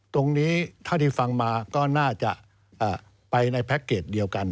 ตรงนี้เท่าที่ฟังมาก็น่าจะไปในแพ็คเกจเดียวกัน